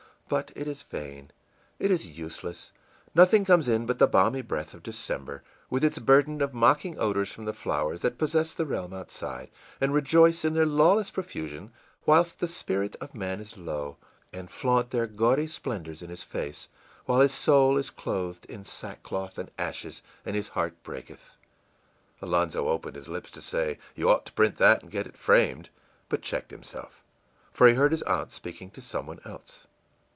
But it is vain, it is useless: nothing comes in but the balmy breath of December, with its burden of mocking odors from the flowers that possess the realm outside, and rejoice in their lawless profusion whilst the spirit of man is low, and flaunt their gaudy splendors in his face while his soul is clothed in sackcloth and ashes and his heart breaketh.î Alonzo opened his lips to say, ìYou ought to print that, and get it framed,î but checked himself, for he heard his aunt speaking to some one else.